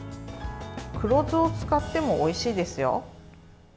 黒酢を使ってもおいしいですよ。